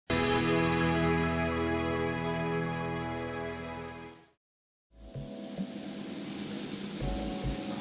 atau jika anda beli arug arug ketiga jenis